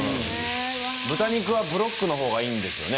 豚肉はブロックの方がいいんですよね。